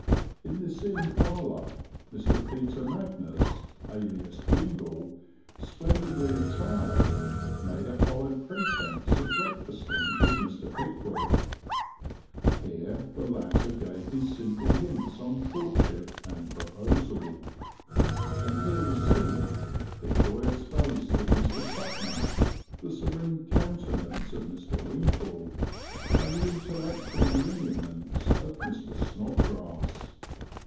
In this inn parlour Mr. Peter Magnus, alias Jingle, splendidly attired, made a hollow pretence of breakfasting with Mr. Pickwick; here the latter gave his simple hints on courtship and proposal, and here were seen "the joyous face of Mr. Tupman, the serene countenance of Mr. Winkle, and the intellectual lineaments of Mr. Snodgrass."